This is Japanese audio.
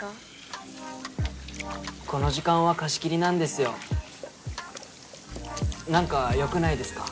この時間は貸し切りなんですよなんかよくないですか？